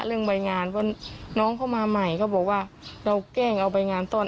เรื่องใบงานเพราะน้องเขามาใหม่เขาบอกว่าเราแกล้งเอาใบงานต้อน